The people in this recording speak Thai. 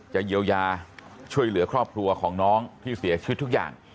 เยียวยาช่วยเหลือครอบครัวของน้องที่เสียชีวิตทุกอย่าง